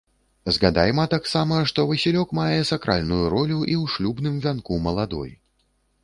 Згадайма таксама, што васілёк мае сакральную ролю і ў шлюбным вянку маладой.